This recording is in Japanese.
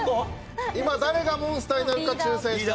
今誰がモンスターになるか抽選してます。